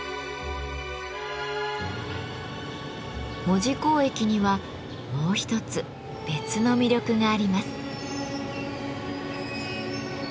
門司港駅にはもう一つ別の魅力があります。